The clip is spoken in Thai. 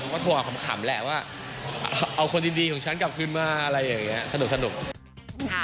ผมก็ถั่วของเขามาขำแหละว่าเอาคนดีของฉันกลับขึ้นมาอะไรอย่างงี้สนุก